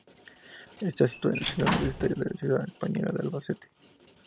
Está situada en la Ciudad Universitaria de la ciudad española de Albacete.